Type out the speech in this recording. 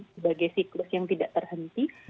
sebagai siklus yang tidak terhenti